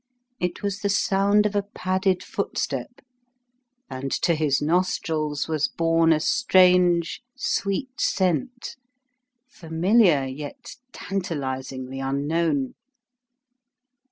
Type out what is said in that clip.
It was the sound of a padded footstep, and to his nostrils was borne a strange, sweet scent, familiar yet tantalizingly un known.